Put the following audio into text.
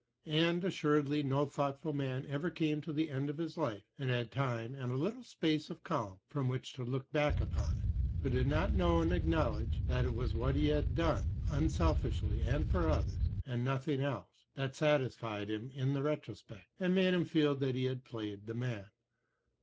And, assuredly, no thoughtful man ever came to the end of his life, and had time and a little space of calm from which to look back upon it, who did not know and acknowledge that it was what he had done unselfishly and for others, and nothing else, that satisfied him in the retrospect, and made him feel that he had played the man.